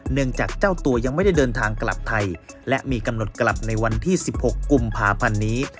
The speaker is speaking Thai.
จากเจ้าตัวยังไม่ได้เดินทางกลับไทยและมีกำหนดกลับในวันที่๑๖กุมภาพันธ์นี้